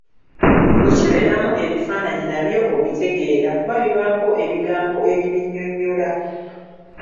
Bwe kibeeramu ebifaananyi nabyo obitegeera, kuba bibaako ebigambo ebibinnyonnyola.